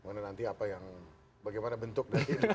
nanti apa yang bagaimana bentuk